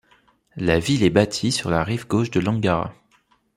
La ville est bâtie sur la rive gauche de l'Angara.